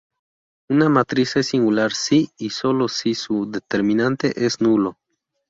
Una matriz es singular si y sólo si su determinante es nulo.